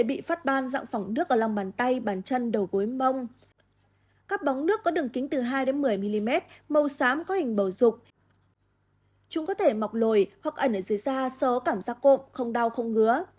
phát ban dọng phỏng nước ở lòng bàn tay bàn chân đầu gối mông các bóng nước có đường kính từ hai đến một mươi mm màu xám có hình bầu dục chúng có thể mọc lồi hoặc ẩn ở dưới da sớ cảm giác cộm không đau không ngứa